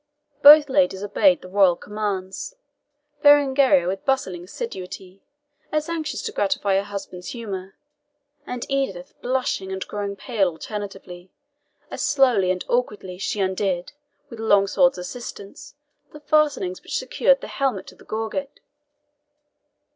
Both ladies obeyed the royal commands Berengaria with bustling assiduity, as anxious to gratify her husband's humour, and Edith blushing and growing pale alternately, as, slowly and awkwardly, she undid, with Longsword's assistance, the fastenings which secured the helmet to the gorget.